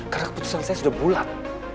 karena keputusan saya sudah bulat